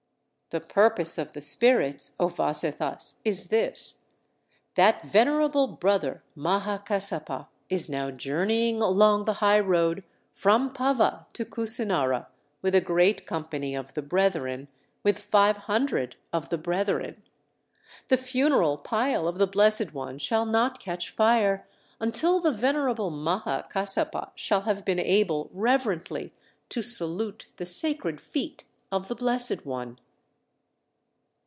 "The purpose of the spirits, O Vasetthas, is this: 'That venerable brother Maha Kassapa is now journeying along the high road from Pava to Kusinara with a great company of the brethren, with five hundred of the brethren. The funeral pile of the Blessed One shall not catch fire, until the venerable Maha Kassapa shall have been able reverently to salute the sacred feet of the Blessed One.'"